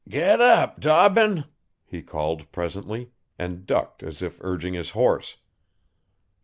'Get ap, Dobbin!' he called presently, and ducked as if urging his horse.